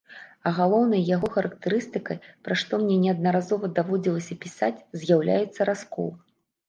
А галоўнай яго характарыстыкай, пра што мне неаднаразова даводзілася пісаць, з'яўляецца раскол.